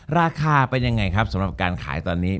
ราคาเป็นยังไงครับสำหรับการขายตอนนี้